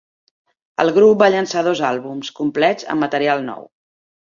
El grup va llançar dos àlbums complets amb material nou.